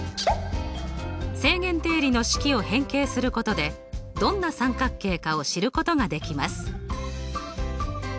正弦定理の式を変形することでどんな三角形かを知ることができます。